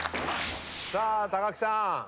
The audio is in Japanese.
さあ木さん